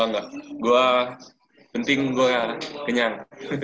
oh nggak gue penting gue kenyang